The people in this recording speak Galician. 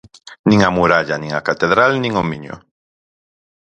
Nin a Muralla nin a Catedral nin o Miño.